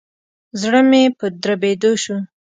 زړه مي په دربېدو شو.